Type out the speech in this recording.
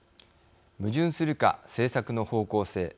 矛盾するか、政策の方向性。